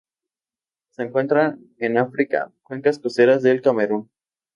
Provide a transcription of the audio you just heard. Se encuentran en África: cuencas costeras del Camerún.